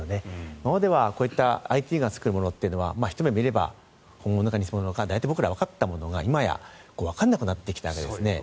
今まではこういったＩＴが作るものというのはひと目見れば本物か偽物か大体、僕らはわかったものが今、わからなくなってきてるんですね。